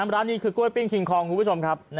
ร้านนี้คือกล้วยปิ้งคิงคองคุณผู้ชมครับ